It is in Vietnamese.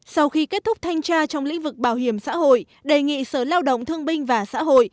sau khi kết thúc thanh tra trong lĩnh vực bảo hiểm xã hội đề nghị sở lao động thương binh và xã hội